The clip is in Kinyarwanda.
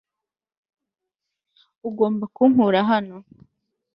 ugomba kunkura hano